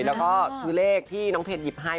แล้วก็ซื้อเลขที่น้องเพชรหยิบให้